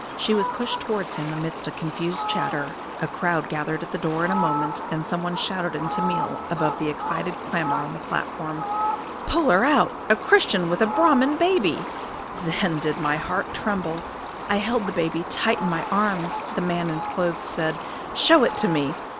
She was pushed towards him amidst a confused chatter, a crowd gathered at the door in a moment, and someone shouted in Tamil, above the excited clamour on the platform: "Pull her out! A Christian with a Brahman baby!" "Then did my heart tremble! I held the baby tight in my arms. The man in clothes said, 'Show it to me!'